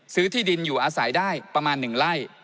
ที่ดินอยู่อาศัยได้ประมาณ๑ไร่